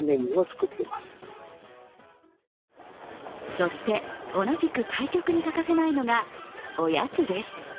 そして同じく対局に欠かせないのが、おやつです。